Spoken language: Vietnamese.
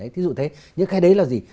thí dụ thế những cái đấy là gì